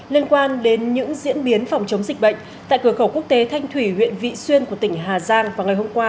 liên quan đến những diễn biến phòng chống dịch bệnh tại cửa khẩu quốc tế thanh thủy huyện vị xuyên của tỉnh hà giang vào ngày hôm qua